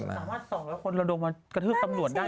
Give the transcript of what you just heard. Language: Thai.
สามารถ๒๐๐คนเราโดนมากระทืบตำรวจได้